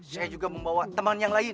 saya juga membawa teman yang lain